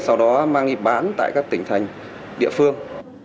sau đó mang đi bán tại các tỉnh thành địa phương